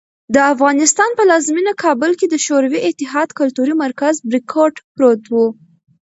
د افغانستان پلازمېنه کابل کې د شوروي اتحاد کلتوري مرکز "بریکوټ" پروت و.